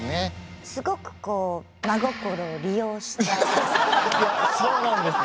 すごくこういやそうなんですよ。